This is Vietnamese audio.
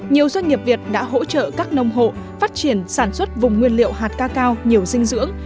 nhiều doanh nghiệp việt đã hỗ trợ các nông hộ phát triển sản xuất vùng nguyên liệu hạt cacao nhiều dinh dưỡng